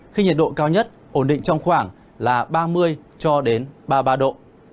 khi nhiệt độ cao nhất ổn định trong khoảng là ba mươi cho đến ba mươi ba độ